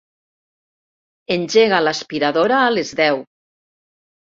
Engega l'aspiradora a les deu.